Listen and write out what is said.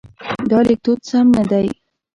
دا لیکدود سم نه دی.